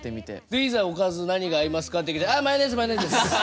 でいざおかず何が合いますかって聞いたら「あっマヨネーズマヨネーズです。